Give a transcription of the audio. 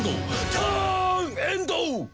ターンエンド！